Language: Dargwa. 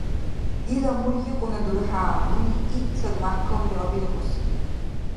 Дила мургьигъуна дурхӀя, нуни итцад мяхӀкамли абилкьуси!